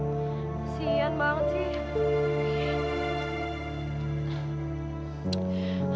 pesian banget sih